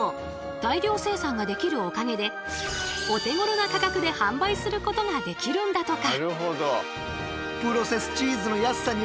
大量生産ができるおかげでお手ごろな価格で販売することができるんだとか。